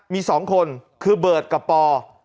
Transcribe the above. มี๒คนคือเบิร์ตกับปอ